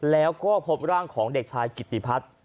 แล้วก็พบร่างของเด็กชายกิติพัฒน์